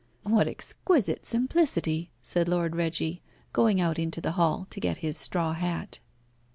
"What exquisite simplicity!" said Lord Reggie, going out into the hall to get his straw hat.